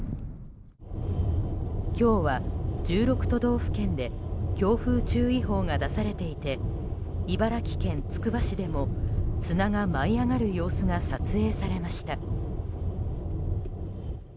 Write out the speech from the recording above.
今日は、１６都道府県で強風注意報が出されていて茨城県つくば市でも砂が舞い上がる様子が撮影されました。